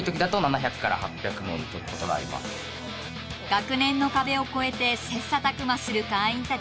学年の壁をこえて切磋琢磨する会員たち。